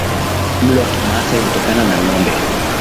mlo wa kimasai hutokana na ngombe